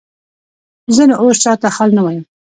زه نو اوس چاته حال نه وایم.